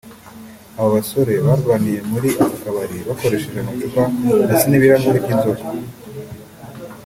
Aba basore barwaniye muri aka kabari bakoresheje amacupa ndetse n’ibirahuri by’inzoga